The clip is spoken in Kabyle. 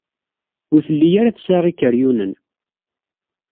Ur telli ara tesɛa ikeryunen.